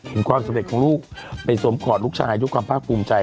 ความสำเร็จของลูกไปสวมกอดลูกชายด้วยความภาคภูมิใจ